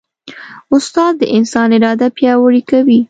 استاد د انسان اراده پیاوړې کوي.